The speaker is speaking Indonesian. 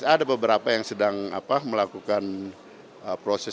ada beberapa yang sedang melakukan proses